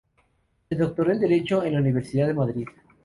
Se doctoró en Derecho en la Universidad de Madrid.